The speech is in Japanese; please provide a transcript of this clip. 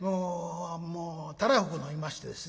もうたらふく飲みましてですね